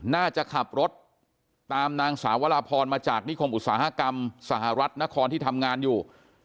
น่าจะขับรถตามนางสาววราพรมาจากนิคมอุตสาหกรรมสหรัฐนครที่ทำงานอยู่